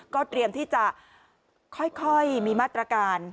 เตรียมที่จะค่อยมีมาตรการ